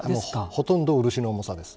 ほとんど漆の重さです。